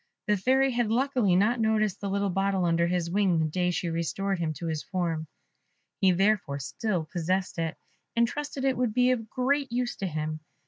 The Fairy had luckily not noticed the little bottle under his wing the day she restored him to his form; he therefore still possessed it, and trusted it would be of great use to him.